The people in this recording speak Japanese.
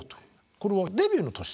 これはデビューの年？